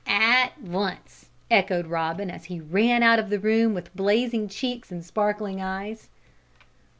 "At vunce," echoed Robin, as he ran out of the room, with blazing cheeks and sparkling eyes.